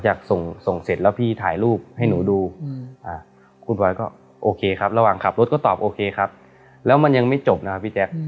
ส่งเสร็จแล้วพี่ถ่ายรูปให้หนูดูคุณบอยก็โอเคครับระหว่างขับรถก็ตอบโอเคครับแล้วมันยังไม่จบนะครับพี่แจ๊ค